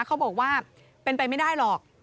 เขาบอกว่าเป็นไปไม่ได้หรอก